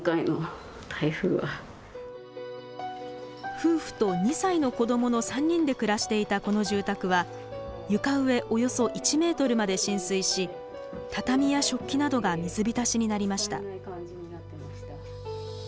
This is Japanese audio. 夫婦と２歳の子どもの３人で暮らしていたこの住宅は床上およそ１ｍまで浸水し畳や食器などが水浸しになりました。